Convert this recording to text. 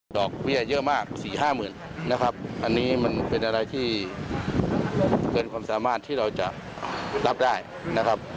ดอกเบี้ยเยอะมาก๔๕๐๐๐นะครับอันนี้มันเป็นอะไรที่เกินความสามารถที่เราจะรับได้นะครับ